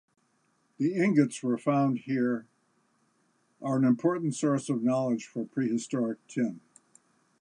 The ingots found here are an important source of knowledge for prehistoric tin.